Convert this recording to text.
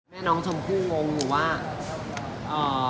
มี่ย์น้องชมคู่งงอย่างว่า